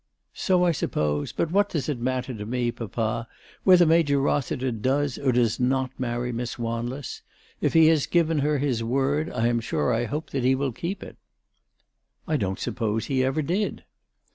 " So I suppose. But what does it matter to me, papa, whether Major Eossiter does or does not marry Miss Wanless ? If he has given her his word, I am sure I hope that he will keep it." " I don't suppose he ever did."